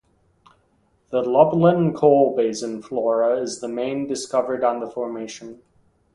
The Lublin Coal Basin Flora is the main discovered on the formation.